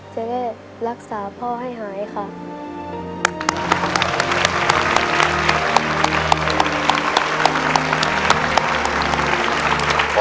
จะได้รักษาพ่อให้หายค่ะ